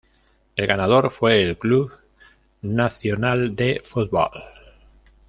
El ganador fue el Club Nacional de Football.